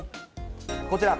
こちら。